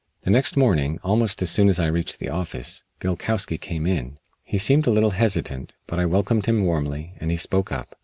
The next morning, almost as soon as I reached the office, Gilkowsky came in. He seemed a little hesitant, but I welcomed him warmly, and he spoke up.